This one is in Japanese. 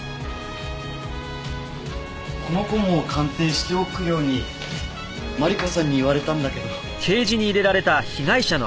この子も鑑定しておくようにマリコさんに言われたんだけど。